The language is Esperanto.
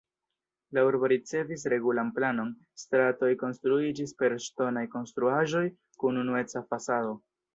La urbo ricevis regulan planon, stratoj konstruiĝis per ŝtonaj konstruaĵoj kun unueca fasado.